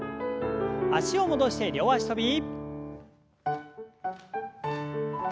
脚を戻して両脚跳び。